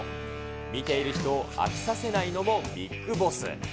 見ている人を飽きさせないのもビッグボス。